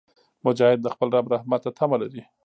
مجاهد د خپل رب رحمت ته تمه لري.